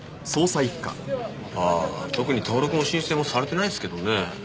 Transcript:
特に登録も申請もされてないですけどね。